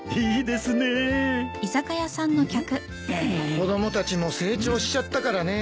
子供たちも成長しちゃったからね。